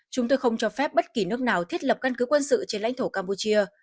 chúng tôi không cho phép bất kỳ nước nào thiết lập căn cứ quân sự trên lãnh thổ campuchia